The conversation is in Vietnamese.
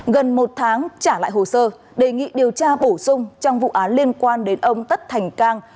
gần một tháng trả lại hồ sơ đề nghị điều tra bổ sung trong vụ án liên quan đến ông tất thành cang